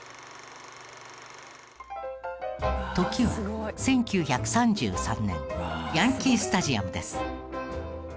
時は１９３３年ヤンキースタジアムです。